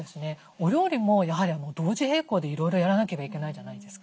お料理もやはり同時並行でいろいろやらなければいけないじゃないですか。